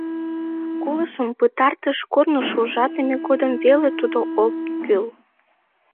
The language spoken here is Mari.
Колышым пытартыш корныш ужатыме годым веле тудо ок кӱл.